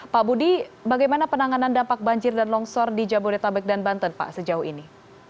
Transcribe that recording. pak budi bagaimana penanganan dampak banjir dan longsor di jabodetabek dan banten pak sejauh ini